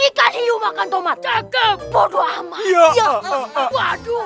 ikan hiu makan tomat cakep bodo amat ya aduh